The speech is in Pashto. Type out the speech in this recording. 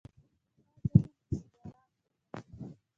پخوا زه هم په باران مئین وم.